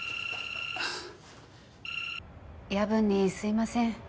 夜分にすいません。